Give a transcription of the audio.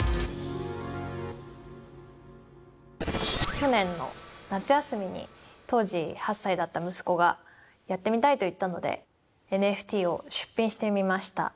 去年の夏休みに当時８歳だった息子がやってみたいと言ったのでＮＦＴを出品してみました。